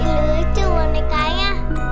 ini lucu bonekanya